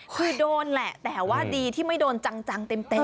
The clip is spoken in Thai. คือโดนแหละแต่ว่าดีที่ไม่โดนจังเต็ม